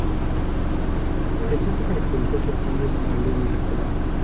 La elección se caracterizó por cambios en la ley electoral.